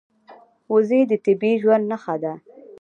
وزې د طبیعي ژوند نښه ده